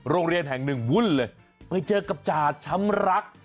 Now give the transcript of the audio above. โรงเรียนแห่งหนึ่งวุ่นเลยไปเจอกับจาดช้ำรัก